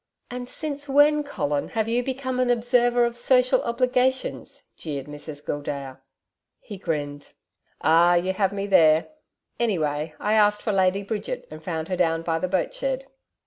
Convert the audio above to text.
'And since when, Colin, have you become an observer of social obligations?' jeered Mrs Gildea. He grinned, 'Ah! you have me there. Anyway, I asked for Lady Bridget, and found her down by the boat shed.'